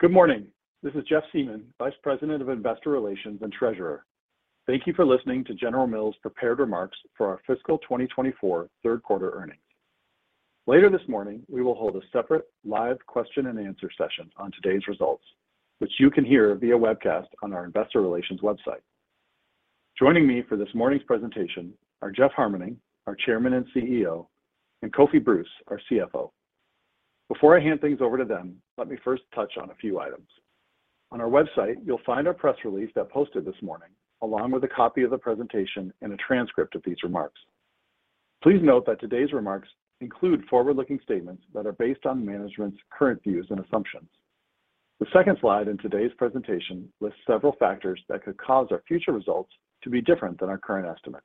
Good morning. This is Jeff Siemon, Vice President of Investor Relations and Treasurer. Thank you for listening to General Mills' prepared remarks for our fiscal 2024 3Q earnings. Later this morning, we will hold a separate live question-and-answer session on today's results, which you can hear via webcast on our Investor Relations website. Joining me for this morning's presentation are Jeff Harmening, our Chairman and CEO, and Kofi Bruce, our CFO. Before I hand things over to them, let me first touch on a few items. On our website, you'll find a press release that posted this morning, along with a copy of the presentation and a transcript of these remarks. Please note that today's remarks include forward-looking statements that are based on management's current views and assumptions. The second slide in today's presentation lists several factors that could cause our future results to be different than our current estimates.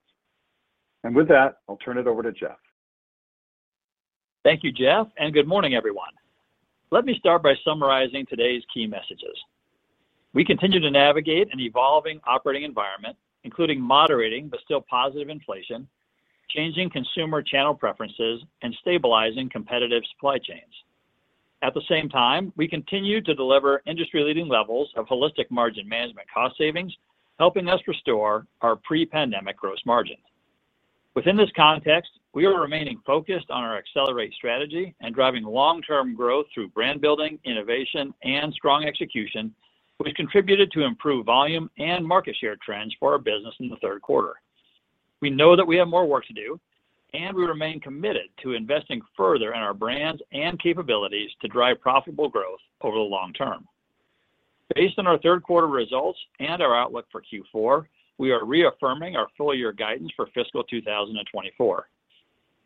With that, I'll turn it over to Jeff. Thank you, Jeff, and good morning, everyone. Let me start by summarizing today's key messages. We continue to navigate an evolving operating environment, including moderating but still positive inflation, changing consumer channel preferences, and stabilizing competitive supply chains. At the same time, we continue to deliver industry-leading levels of Holistic Margin Management cost savings, helping us restore our pre-pandemic gross margin. Within this context, we are remaining focused on our Accelerate Strategy and driving long-term growth through brand building, innovation, and strong execution, which contributed to improved volume and market share trends for our business in the 3Q. We know that we have more work to do, and we remain committed to investing further in our brands and capabilities to drive profitable growth over the long term. Based on our 3Q results and our outlook for Q4, we are reaffirming our full-year guidance for fiscal 2024.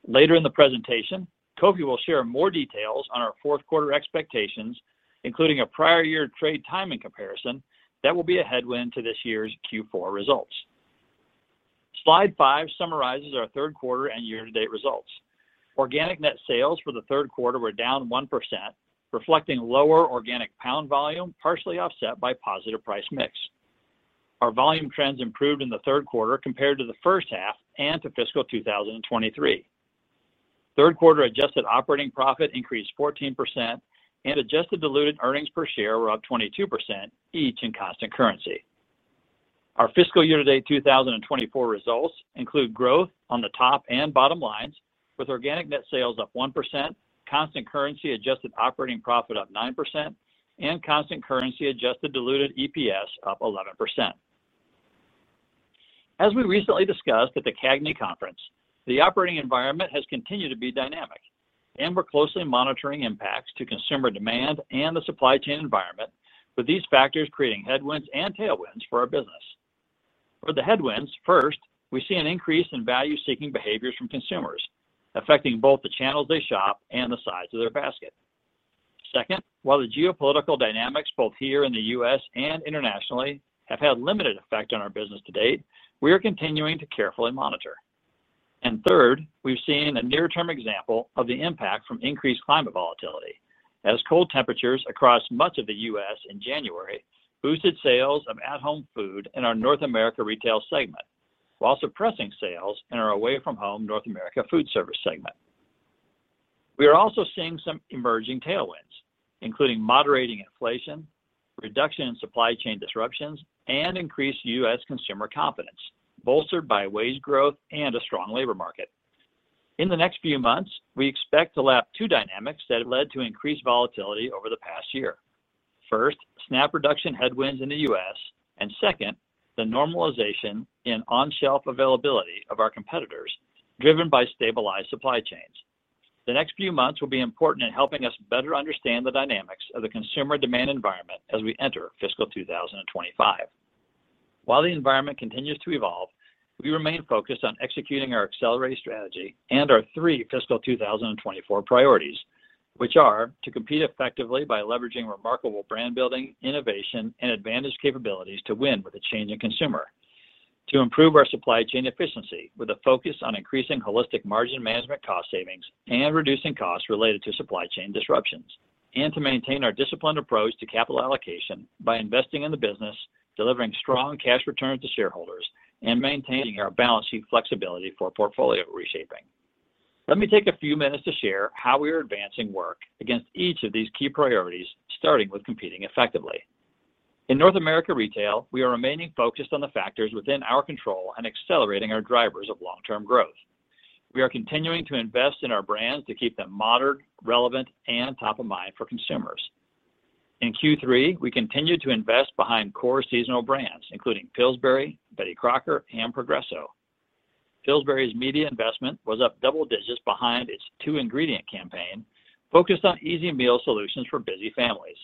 Later in the presentation, Kofi will share more details on our 4Q expectations, including a prior-year trade timing comparison that will be a headwind to this year's Q4 results. Slide 5 summarizes our 3Q and year-to-date results. Organic net sales for the 3Q were down 1%, reflecting lower organic pound volume, partially offset by positive price mix. Our volume trends improved in the 3Q compared to the first half and to fiscal 2023. 3Q adjusted operating profit increased 14%, and adjusted diluted earnings per share were up 22%, each in constant currency. Our fiscal year-to-date 2024 results include growth on the top and bottom lines, with organic net sales up 1%, constant currency adjusted operating profit up 9%, and constant currency adjusted diluted EPS up 11%. As we recently discussed at the CAGNY conference, the operating environment has continued to be dynamic, and we're closely monitoring impacts to consumer demand and the supply chain environment, with these factors creating headwinds and tailwinds for our business. For the headwinds, first, we see an increase in value-seeking behaviors from consumers, affecting both the channels they shop and the size of their basket. Second, while the geopolitical dynamics both here in the U.S. and internationally have had limited effect on our business to date, we are continuing to carefully monitor. And third, we've seen a near-term example of the impact from increased climate volatility, as cold temperatures across much of the U.S. in January boosted sales of at-home food in our North America retail segment while suppressing sales in our away-from-home North America food service segment. We are also seeing some emerging tailwinds, including moderating inflation, reduction in supply chain disruptions, and increased U.S. consumer confidence, bolstered by wage growth and a strong labor market. In the next few months, we expect to lap two dynamics that have led to increased volatility over the past year: first, SNAP reduction headwinds in the U.S., and second, the normalization in on-shelf availability of our competitors, driven by stabilized supply chains. The next few months will be important in helping us better understand the dynamics of the consumer demand environment as we enter fiscal 2025. While the environment continues to evolve, we remain focused on executing our Accelerate Strategy and our three fiscal 2024 priorities, which are: to compete effectively by leveraging remarkable brand building, innovation, and advantaged capabilities to win with a changing consumer. To improve our supply chain efficiency with a focus on increasing Holistic Margin Management cost savings and reducing costs related to supply chain disruptions. And to maintain our disciplined approach to capital allocation by investing in the business, delivering strong cash returns to shareholders, and maintaining our balance sheet flexibility for portfolio reshaping. Let me take a few minutes to share how we are advancing work against each of these key priorities, starting with competing effectively. In North America Retail, we are remaining focused on the factors within our control and accelerating our drivers of long-term growth. We are continuing to invest in our brands to keep them modern, relevant, and top of mind for consumers. In Q3, we continued to invest behind core seasonal brands, including Pillsbury, Betty Crocker, and Progresso. Pillsbury's media investment was up double digits behind its two-ingredient campaign, focused on easy meal solutions for busy families.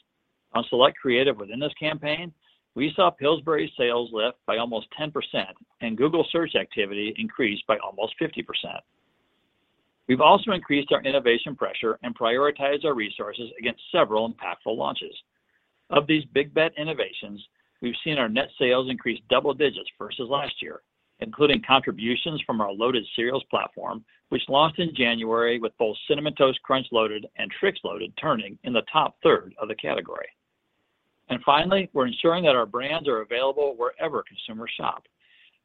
On select creative within this campaign, we saw Pillsbury's sales lift by almost 10% and Google search activity increase by almost 50%. We've also increased our innovation pressure and prioritized our resources against several impactful launches. Of these big bet innovations, we've seen our net sales increase double digits versus last year, including contributions from our Loaded cereals platform, which launched in January with both Cinnamon Toast Crunch Loaded and Trix Loaded turning in the top third of the category. Finally, we're ensuring that our brands are available wherever consumers shop.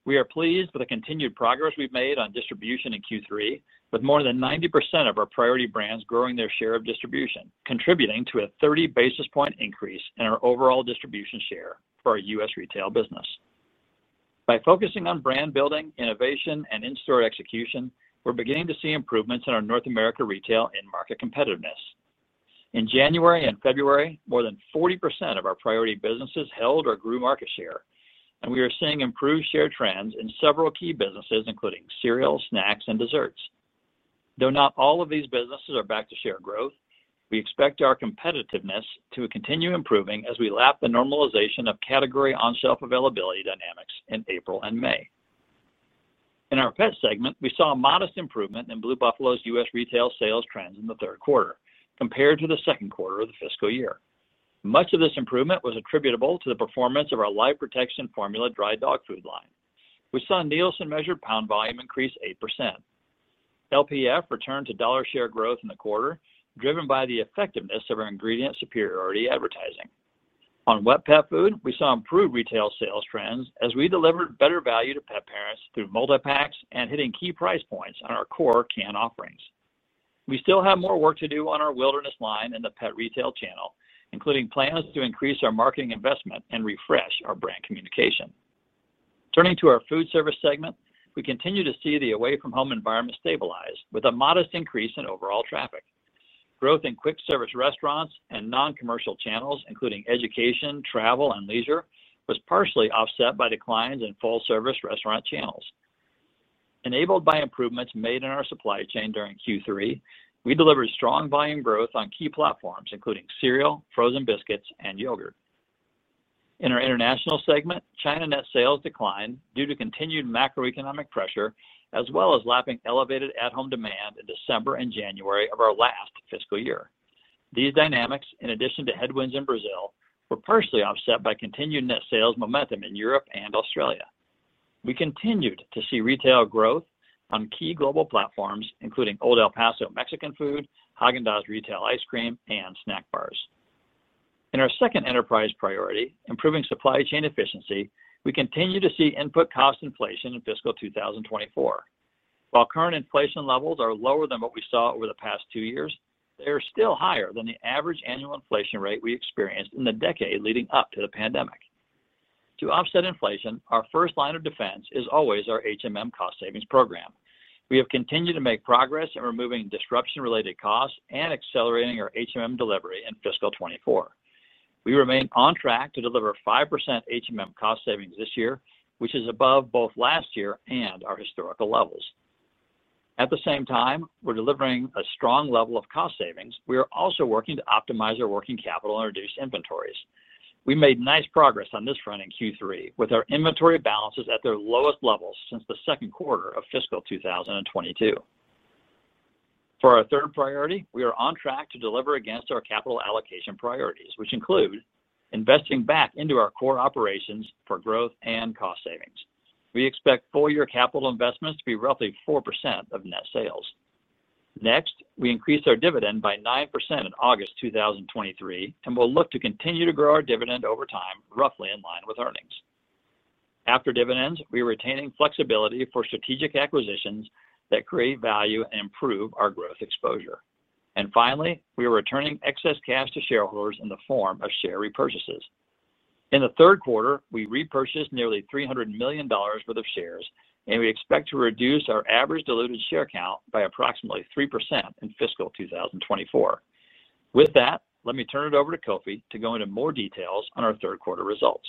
We are pleased with the continued progress we've made on distribution in Q3, with more than 90% of our priority brands growing their share of distribution, contributing to a 30 basis point increase in our overall distribution share for our U.S. retail business. By focusing on brand building, innovation, and in-store execution, we're beginning to see improvements in our North America retail and market competitiveness. In January and February, more than 40% of our priority businesses held or grew market share, and we are seeing improved share trends in several key businesses, including cereals, snacks, and desserts. Though not all of these businesses are back to share growth, we expect our competitiveness to continue improving as we lap the normalization of category on-shelf availability dynamics in April and May. In our Pet segment, we saw a modest improvement in Blue Buffalo's U.S. retail sales trends in the 3Q compared to the 2Q of the fiscal year. Much of this improvement was attributable to the performance of our Life Protection Formula dry dog food line, with Nielsen-measured pound volume increase 8%. LPF returned to dollar share growth in the quarter, driven by the effectiveness of our ingredient superiority advertising. On wet pet food, we saw improved retail sales trends as we delivered better value to pet parents through multipacks and hitting key price points on our core can offerings. We still have more work to do on our Wilderness line in the pet retail channel, including plans to increase our marketing investment and refresh our brand communication. Turning to our Foodservice segment, we continue to see the away-from-home environment stabilize with a modest increase in overall traffic. Growth in quick service restaurants and non-commercial channels, including education, travel, and leisure, was partially offset by declines in full service restaurant channels. Enabled by improvements made in our supply chain during Q3, we delivered strong volume growth on key platforms, including cereal, frozen biscuits, and yogurt. In our International segment, China net sales declined due to continued macroeconomic pressure, as well as lapping elevated at-home demand in December and January of our last fiscal year. These dynamics, in addition to headwinds in Brazil, were partially offset by continued net sales momentum in Europe and Australia. We continued to see retail growth on key global platforms, including Old El Paso Mexican food, Häagen-Dazs retail ice cream, and snack bars. In our second enterprise priority, improving supply chain efficiency, we continue to see input cost inflation in fiscal 2024. While current inflation levels are lower than what we saw over the past two years, they are still higher than the average annual inflation rate we experienced in the decade leading up to the pandemic. To offset inflation, our first line of defense is always our cost savings program. We have continued to make progress in removing disruption-related costs and accelerating our delivery in fiscal 2024. We remain on track to deliver 5% cost savings this year, which is above both last year and our historical levels. At the same time, we're delivering a strong level of cost savings. We are also working to optimize our working capital and reduce inventories. We made nice progress on this front in Q3, with our inventory balances at their lowest levels since the 2Q of fiscal 2022. For our third priority, we are on track to deliver against our capital allocation priorities, which include investing back into our core operations for growth and cost savings. We expect full-year capital investments to be roughly 4% of net sales. Next, we increased our dividend by 9% in August 2023 and will look to continue to grow our dividend over time, roughly in line with earnings. After dividends, we are retaining flexibility for strategic acquisitions that create value and improve our growth exposure. And finally, we are returning excess cash to shareholders in the form of share repurchases. In the 3Q, we repurchased nearly $300 million worth of shares, and we expect to reduce our average diluted share count by approximately 3% in fiscal 2024. With that, let me turn it over to Kofi to go into more details on our 3Q results.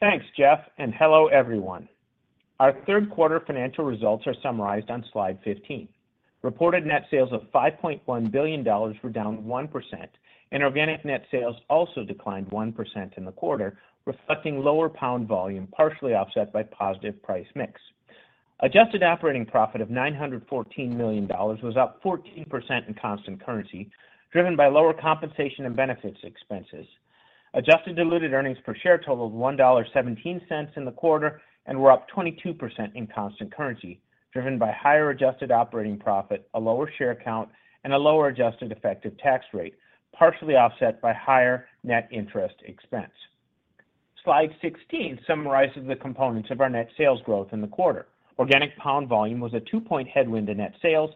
Thanks, Jeff, and hello, everyone. Our 3Q financial results are summarized on slide 15. Reported net sales of $5.1 billion were down 1%, and organic net sales also declined 1% in the quarter, reflecting lower pound volume, partially offset by positive price mix. Adjusted operating profit of $914 million was up 14% in constant currency, driven by lower compensation and benefits expenses. Adjusted diluted earnings per share totaled $1.17 in the quarter and were up 22% in constant currency, driven by higher adjusted operating profit, a lower share count, and a lower adjusted effective tax rate, partially offset by higher net interest expense. Slide 16 summarizes the components of our net sales growth in the quarter. Organic pound volume was a 2-point headwind to net sales,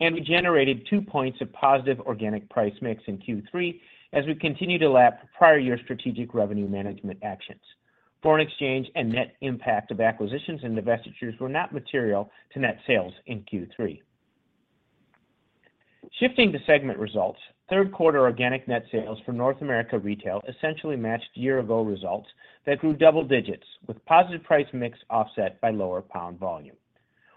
and we generated 2 points of positive organic price mix in Q3 as we continue to lap prior-year strategic revenue management actions. Foreign exchange and net impact of acquisitions and divestitures were not material to net sales in Q3. Shifting to segment results, 3Q organic net sales for North America Retail essentially matched year-ago results that grew double digits, with positive price mix offset by lower pound volume.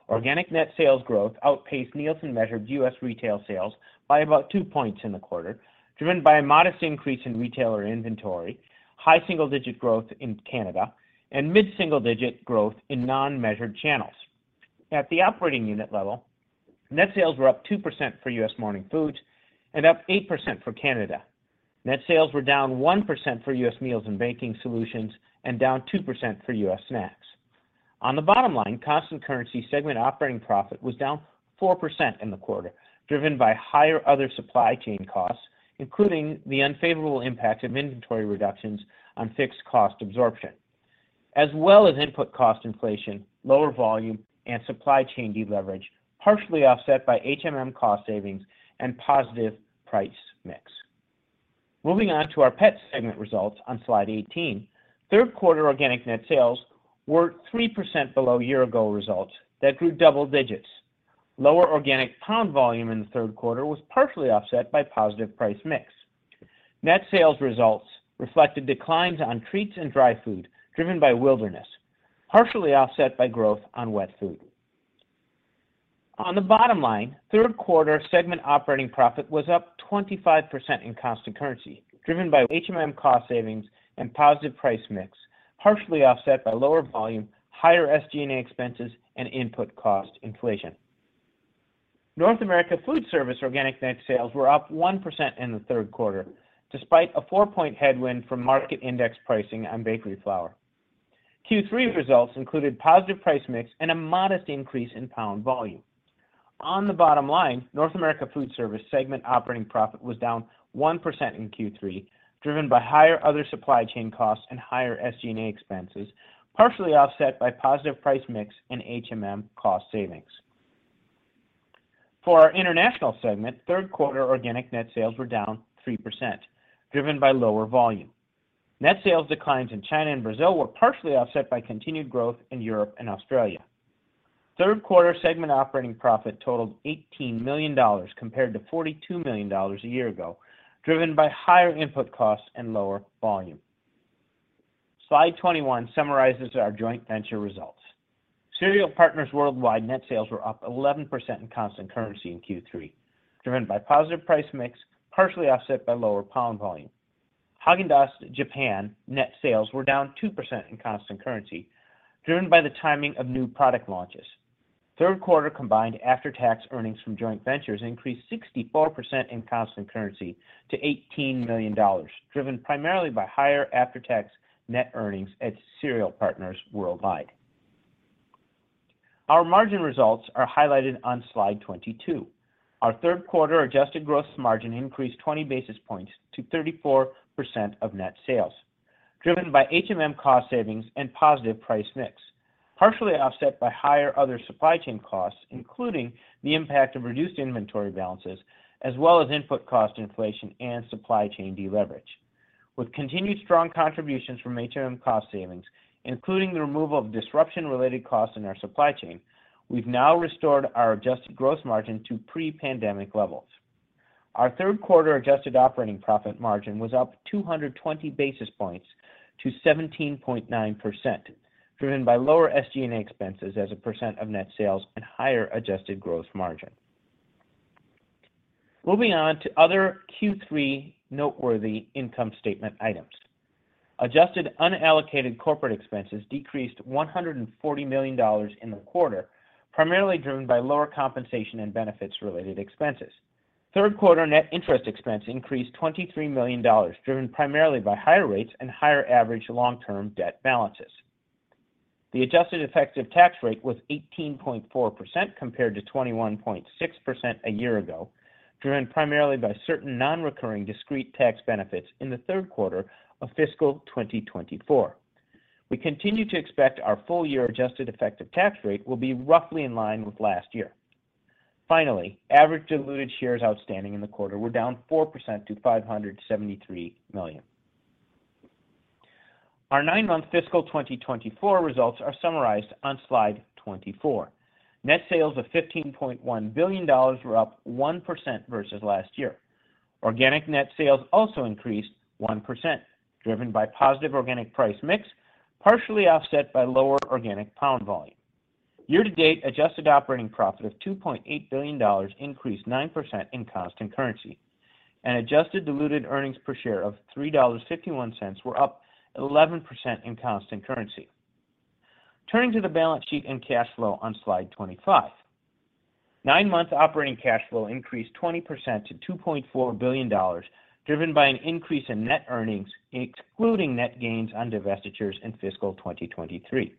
Organic net sales growth outpaced Nielsen-measured U.S. retail sales by about two points in the quarter, driven by a modest increase in retailer inventory, high single-digit growth in Canada, and mid-single-digit growth in non-measured channels. At the operating unit level, net sales were up 2% for U.S. Morning Foods and up 8% for Canada. Net sales were down 1% for U.S. Meals and Baking Solutions and down 2% for U.S. Snacks. On the bottom line, constant currency segment operating profit was down 4% in the quarter, driven by higher other supply chain costs, including the unfavorable impact of inventory reductions on fixed cost absorption, as well as input cost inflation, lower volume, and supply chain de-leverage, partially offset by cost savings and positive price mix. Moving on to our Pet segment results on slide 18, 3Q organic net sales were 3% below year-ago results that grew double digits. Lower organic pound volume in the 3Q was partially offset by positive price mix. Net sales results reflected declines on treats and dry food, driven by Wilderness, partially offset by growth on wet food. On the bottom line, 3Q segment operating profit was up 25% in constant currency, driven by cost savings and positive price mix, partially offset by lower volume, higher SG&A expenses, and input cost inflation. North America Foodservice organic net sales were up 1% in the 3Q, despite a 4-point headwind from market index pricing on bakery flour. Q3 results included positive price mix and a modest increase in pound volume. On the bottom line, North America Foodservice segment operating profit was down 1% in Q3, driven by higher other supply chain costs and higher SG&A expenses, partially offset by positive price mix and cost savings. For our International segment, 3Q organic net sales were down 3%, driven by lower volume. Net sales declines in China and Brazil were partially offset by continued growth in Europe and Australia. 3Q segment operating profit totaled $18 million compared to $42 million a year ago, driven by higher input costs and lower volume. Slide 21 summarizes our joint venture results. Cereal Partners Worldwide net sales were up 11% in constant currency in Q3, driven by positive price mix, partially offset by lower pound volume. Häagen-Dazs Japan net sales were down 2% in constant currency, driven by the timing of new product launches. 3Q combined after-tax earnings from joint ventures increased 64% in constant currency to $18 million, driven primarily by higher after-tax net earnings at Cereal Partners Worldwide. Our margin results are highlighted on slide 22. Our 3Q adjusted gross margin increased 20 basis points to 34% of net sales, driven by cost savings and positive price mix, partially offset by higher other supply chain costs, including the impact of reduced inventory balances, as well as input cost inflation and supply chain de-leverage. With continued strong contributions from cost savings, including the removal of disruption-related costs in our supply chain, we've now restored our Adjusted Gross Margin to pre-pandemic levels. Our 3Q adjusted operating profit margin was up 220 basis points to 17.9%, driven by lower SG&A expenses as a percent of net sales and higher Adjusted Gross Margin. Moving on to other Q3 noteworthy income statement items. Adjusted unallocated corporate expenses decreased $140 million in the quarter, primarily driven by lower compensation and benefits-related expenses. 3Q net interest expense increased $23 million, driven primarily by higher rates and higher average long-term debt balances. The adjusted effective tax rate was 18.4% compared to 21.6% a year ago, driven primarily by certain non-recurring discrete tax benefits in the 3Q of fiscal 2024. We continue to expect our full-year adjusted effective tax rate will be roughly in line with last year. Finally, average diluted shares outstanding in the quarter were down 4% to 573 million. Our nine-month fiscal 2024 results are summarized on slide 24. Net sales of $15.1 billion were up 1% versus last year. Organic net sales also increased 1%, driven by positive organic price mix, partially offset by lower organic pound volume. Year-to-date, adjusted operating profit of $2.8 billion increased 9% in constant currency, and adjusted diluted earnings per share of $3.51 were up 11% in constant currency. Turning to the balance sheet and cash flow on slide 25. Nine-month operating cash flow increased 20% to $2.4 billion, driven by an increase in net earnings excluding net gains on divestitures in fiscal 2023.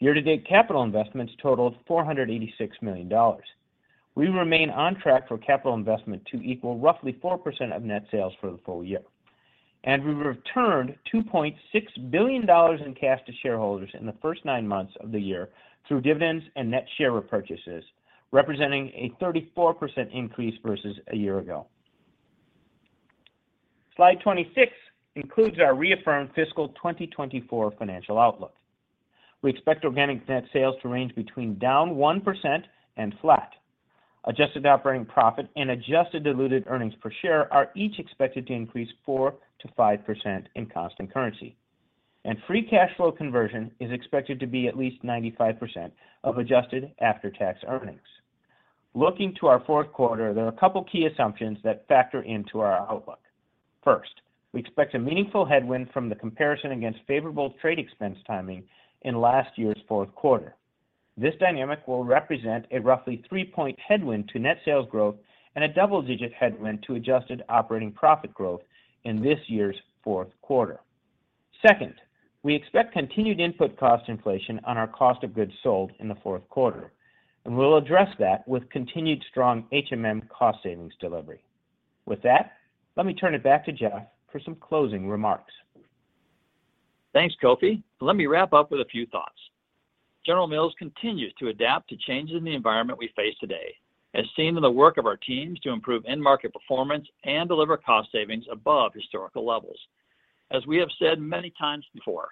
Year-to-date, capital investments totaled $486 million. We remain on track for capital investment to equal roughly 4% of net sales for the full year. We returned $2.6 billion in cash to shareholders in the first nine months of the year through dividends and net share repurchases, representing a 34% increase versus a year ago. Slide 26 includes our reaffirmed fiscal 2024 financial outlook. We expect organic net sales to range between down 1% and flat. Adjusted operating profit and adjusted diluted earnings per share are each expected to increase 4%-5% in constant currency. Free cash flow conversion is expected to be at least 95% of adjusted after-tax earnings. Looking to our 4Q, there are a couple of key assumptions that factor into our outlook. First, we expect a meaningful headwind from the comparison against favorable trade expense timing in last year's 4Q. This dynamic will represent a roughly three-point headwind to net sales growth and a double-digit headwind to adjusted operating profit growth in this year's 4Q. Second, we expect continued input cost inflation on our cost of goods sold in the 4Q, and we'll address that with continued strong cost savings delivery. With that, let me turn it back to Jeff for some closing remarks. Thanks, Kofi. Let me wrap up with a few thoughts. General Mills continues to adapt to changes in the environment we face today, as seen in the work of our teams to improve end-market performance and deliver cost savings above historical levels. As we have said many times before,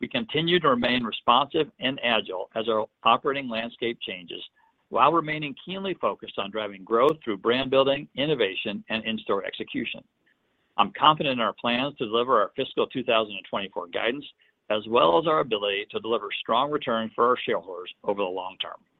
we continue to remain responsive and agile as our operating landscape changes while remaining keenly focused on driving growth through brand building, innovation, and in-store execution. I'm confident in our plans to deliver our fiscal 2024 guidance as well as our ability to deliver strong returns for our shareholders over the long term.